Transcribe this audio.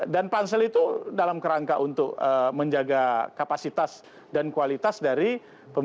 dan pansel itu dalam kerangka untuk menjaga kapasitas dan kualitas dari pemimpin pemimpin yang kita pilih